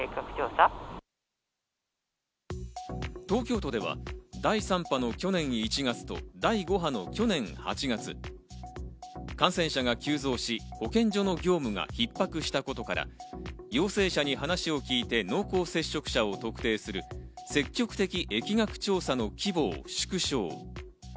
東京都では第３波の去年１月と第５波の去年８月、感染者が急増し、保健所の業務が逼迫したことから、陽性者に話を聞いて濃厚接触者を特定する積極的疫学調査の規模を縮小。